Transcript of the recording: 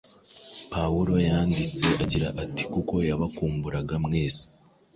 Pawulo yanditse agira ati: “Kuko yabakumburaga mwese ,